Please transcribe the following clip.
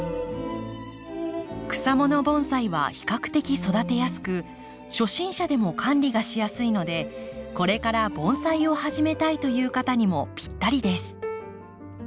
草もの盆栽は比較的育てやすく初心者でも管理がしやすいのでこれから盆栽を始めたいという方にもぴったりです。